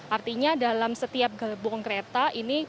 artinya dalam setiap gelbong kereta ini